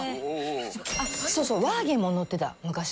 そうそうワーゲンも乗ってた昔。